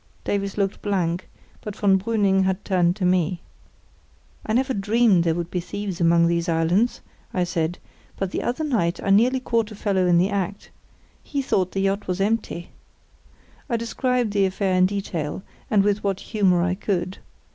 Davies looked blank, but von Brüning had turned to me. "We never dreamed there would be thieves among these islands," I said, "but the other night I nearly caught a fellow in the act. He thought the yacht was empty." I described the affair in detail, and with what humour I could.